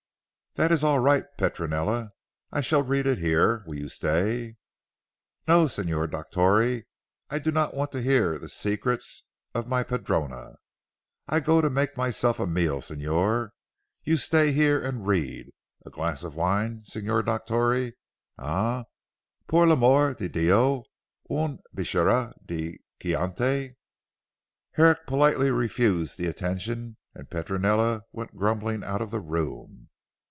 "That is all right Petronella. I shall read it here. Will you stay?" "No, Signor Dottore. I do not want to hear the secrets of my padrona. I go to make myself a meal Signor. You stay here and read. A glass of wine Signor Dottore. Eh, pour l'amor di Dio, un bicchiére de Chianti?" Herrick politely refused the attention, and Petronella went grumbling out of the room.